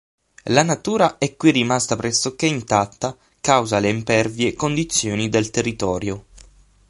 La natura è qui rimasta pressoché intatta causa le impervie condizioni del territorio.